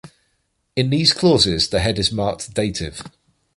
In these clauses the head is marked dative.